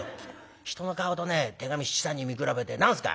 人の顔とね手紙七三に見比べて何すか」。